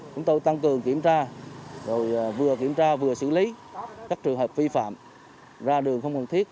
chúng tôi tăng cường kiểm tra vừa kiểm tra vừa xử lý các trường hợp vi phạm ra đường không cần thiết